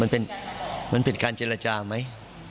มันเป็นมันเป็นการเจรจาไหม